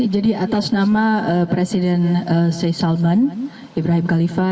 jadi atas nama presiden sheikh shalman ibrahim khalifa